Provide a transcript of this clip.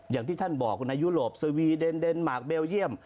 อย่างที่ท่านบอกในยุโรปสวีเดนเดนมาร์คเบลเยี่ยม